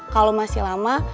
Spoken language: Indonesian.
kalau masih lama